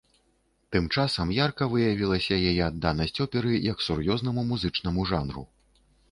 Тым часам ярка выявілася яе адданасць оперы як сур'ёзнаму музычнаму жанру.